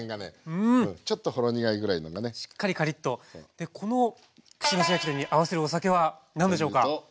でこの串なし焼き鳥に合わせるお酒は何でしょうか？